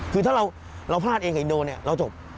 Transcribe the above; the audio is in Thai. คือถ้าเราพลาดเองกับอินโดเนี่ยเราจบ